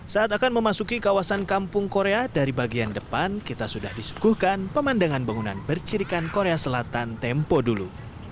saat akan memasuki kawasan kampung korea dari bagian depan kita sudah disuguhkan pemandangan bangunan bercirikan korea selatan tempo dulu